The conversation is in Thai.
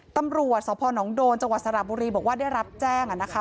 ตำรวจสพนโดนจังหวัดสระบุรีบอกว่าได้รับแจ้ง